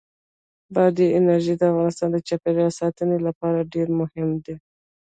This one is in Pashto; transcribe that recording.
بادي انرژي د افغانستان د چاپیریال ساتنې لپاره ډېر مهم دي.